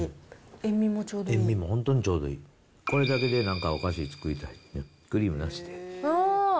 塩味も本当にちょうどいい、これだけでなんかお菓子作りたい、クリームなしで。